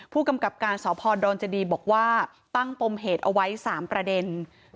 ผู้กำกับการสพดรจดีบอกว่าตั้งปมเหตุเอาไว้๓ประเด็น